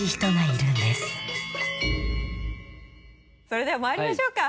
それではまいりましょうか。